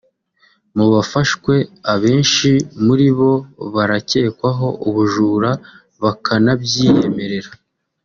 Mu bafashwe abenshi muri bo barakekwaho ubujura bakanabyiyemerera